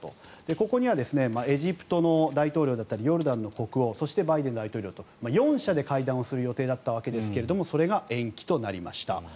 ここにはエジプトの大統領だったりヨルダンの国王そしてバイデン大統領と４者で会談をする予定だったわけですがそれが延期となりました。